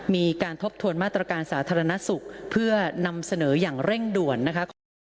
มีการทบทวนมาตรการสาธารณสุขเพื่อนำเสนออย่างเร่งด่วนนะคะ